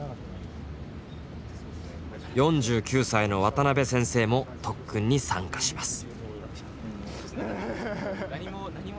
４９歳の渡辺先生も特訓に参加します。